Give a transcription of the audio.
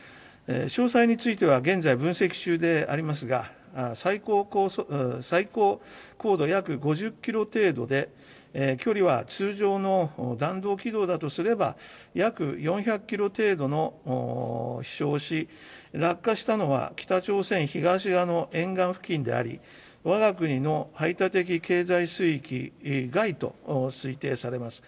詳細については現在、分析中でありますが、最高高度約５０キロ程度で、距離は通常の弾道軌道だとすれば、約４００キロ程度の飛しょうし、落下したのは北朝鮮東側の沿岸付近であり、わが国の排他的経済水域外と推定されます。